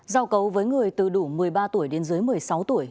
giao cấu với người từ đủ một mươi ba tuổi đến dưới một mươi sáu tuổi